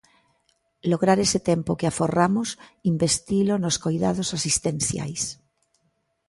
Lograr ese tempo que aforramos, investilo nos coidados asistenciais.